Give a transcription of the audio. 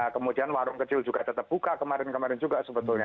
kemudian warung kecil juga tetap buka kemarin kemarin juga sebetulnya